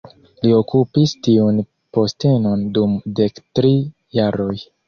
Li okupis tiun postenon dum dektri jaroj.